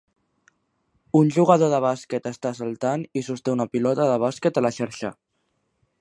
Un jugador de bàsquet està saltant i sosté una pilota de bàsquet a la xarxa.